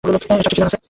এর চারটি খিলান আছে।